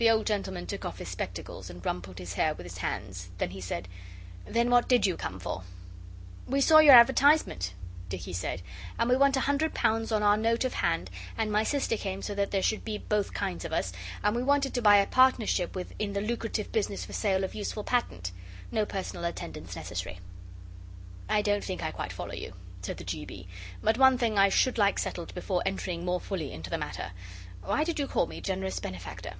The old gentleman took off his spectacles and rumpled his hair with his hands, then he said, 'Then what did you come for?' 'We saw your advertisement,' Dicky said, 'and we want a hundred pounds on our note of hand, and my sister came so that there should be both kinds of us; and we want it to buy a partnership with in the lucrative business for sale of useful patent. No personal attendance necessary.' 'I don't think I quite follow you,' said the G. B. 'But one thing I should like settled before entering more fully into the matter: why did you call me Generous Benefactor?